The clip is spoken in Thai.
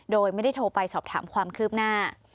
โดยไม่ได้โทรไปสอบถามความคืบหน้า